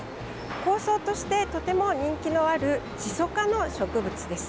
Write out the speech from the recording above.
香草としてとても人気のあるシソ科の植物です。